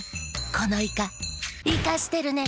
このイカイカしてるね」。